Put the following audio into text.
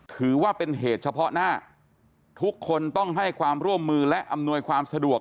ถือว่าเป็นเหตุเฉพาะหน้าทุกคนต้องให้ความร่วมมือและอำนวยความสะดวก